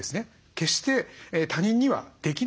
決して他人にはできないんです。